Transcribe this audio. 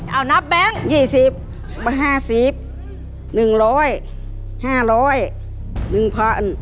เอานับแบงค์๒๐๕๐๑๐๐๕๐๐๑๐๐๐